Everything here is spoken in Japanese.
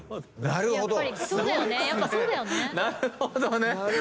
なるほど。